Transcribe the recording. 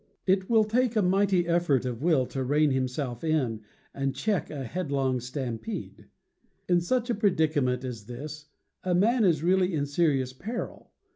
It will take a mighty effort of will to rein himself in and check a headlong stampede. In such predicament as this, a man is really in seri ous peril.